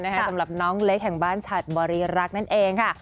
สำหรับน้องเล็กแห่งบ้านฉัดบริรักษ์นั่นเองค่ะ